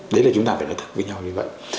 đấy là chúng ta phải nói thật với nhau như vậy